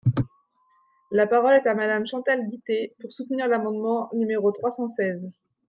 La parole est à Madame Chantal Guittet, pour soutenir l’amendement numéro trois cent seize.